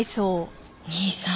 兄さん